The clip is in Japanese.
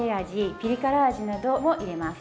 ピリ辛味なども入れます。